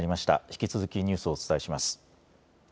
引き続きニュースをお伝えします。